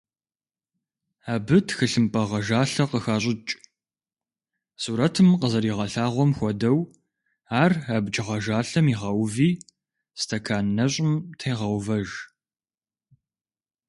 Абы тхылъымпӀэ гъэжалъэ къыхэщӀыкӀ, сурэтым къызэригъэлъагъуэм хуэдэу, ар абдж гъэжалъэм игъэуви стэкан нэщӀым тегъэувэж.